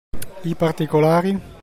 I particolari?